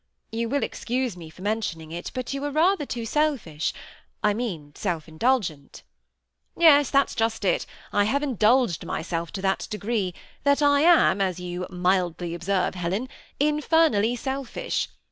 You will excuse me for mentioning it, but you are rather too selfish, — I mean self indulgent." " Yes ; that 's just it. I have indulged myself to that degree, that I am, as you mildly observe, Helen, infer nally selfish.